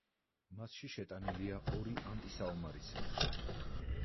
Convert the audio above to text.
მასში შეტანილია ორი ანტისაომარი სიმღერა.